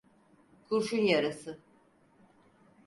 Kurşun yarası.